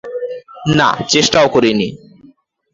না, চেষ্টাও করিনি।